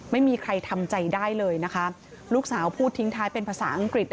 ไม่มีใครทำใจได้เลยนะคะลูกสาวพูดทิ้งท้ายเป็นภาษาอังกฤษ